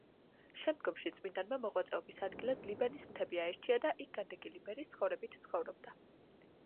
შემდგომში წმინდანმა მოღვაწეობის ადგილად ლიბანის მთები აირჩია და იქ განდეგილი ბერის ცხოვრებით ცხოვრობდა.